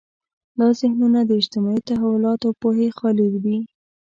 دا ذهنونه د اجتماعي تحولاتو پوهې خالي وي.